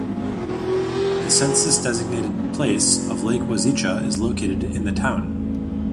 The census-designated place of Lake Wazeecha is located in the town.